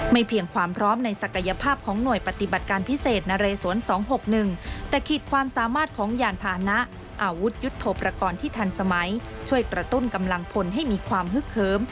เพียงความพร้อมในศักยภาพของหน่วยปฏิบัติการพิเศษนเรสวน๒๖๑แต่ขีดความสามารถของยานพานะอาวุธยุทธโปรกรณ์ที่ทันสมัยช่วยกระตุ้นกำลังพลให้มีความฮึกเหิม